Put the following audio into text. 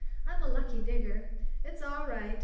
I'm a lucky digger. It's all right.